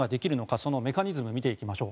そのメカニズムを見ていきましょう。